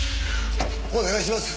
お願いします！